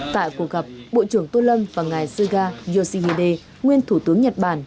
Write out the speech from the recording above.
tại cuộc gặp bộ trưởng tô lâm và ngài suga yoshihide nguyên thủ tướng nhật bản